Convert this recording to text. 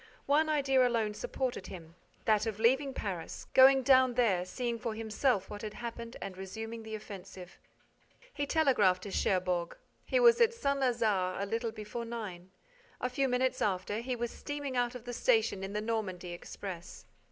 One idea alone supported him: that of leaving Paris, going down there, seeing for himself what had happened and resuming the offensive. He telegraphed to Cherbourg. He was at Saint Lazare a little before nine. A few minutes after, he was steaming out of the station in the Normandy express.